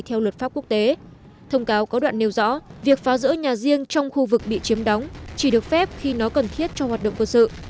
theo luật pháp quốc tế thông cáo có đoạn nêu rõ việc phá rỡ nhà riêng trong khu vực bị chiếm đóng chỉ được phép khi nó cần thiết cho hoạt động quân sự